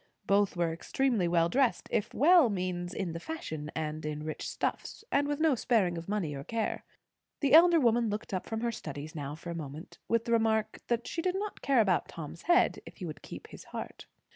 Both were extremely well dressed, if "well" means in the fashion and in rich stuffs, and with no sparing of money or care. The elder woman looked up from her studies now for a moment, with the remark, that she did not care about Tom's head, if he would keep his heart.